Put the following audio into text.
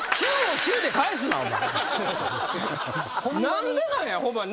何でなんやホンマに。